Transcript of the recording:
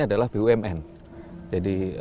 adalah bumn jadi